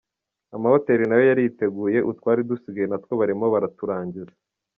Amahoteri na yo yariteguye, utwari dusigaye na two barimo baraturangiza.